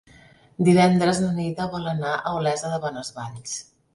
Divendres na Neida vol anar a Olesa de Bonesvalls.